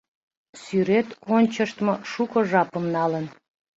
Сӱрет ончыштмо шуко жапым налын.